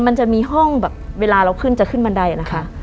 มันจะมีห้องแบบเวลาเราขึ้นจะขึ้นบันไดนะคะ